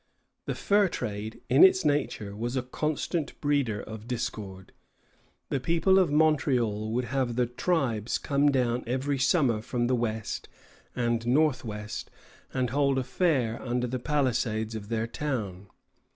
The fur trade, in its nature, was a constant breeder of discord. The people of Montreal would have the tribes come down every summer from the west and northwest and hold a fair under the palisades of their town.